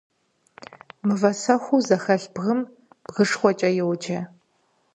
Мывэсэхуу зэхэлъ бгым бгыхукӏэ йоджэ.